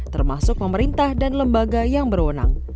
termasuk pemerintah dan lembaga yang berwenang